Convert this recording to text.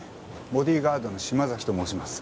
ボディーガードの島崎と申します。